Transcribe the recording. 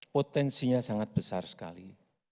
potensinya sangat besar sekali